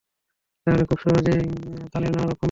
তাহলে খুব সহজেই তালের নানা রকম পিঠা-পায়েস তৈরি করে খেতে পারবেন।